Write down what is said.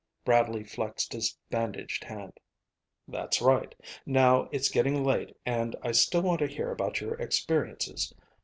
Bradley flexed his bandaged hand. "That's right. Now, it's getting late and I still want to hear about your experiences.